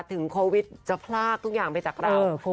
ถึงโควิดจะพลากทุกอย่างไปจากเรา